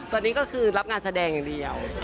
ตอนนี้ก็คือรับงานแสดงอย่างเดียว